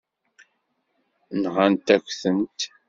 Nɣant-ak-tent.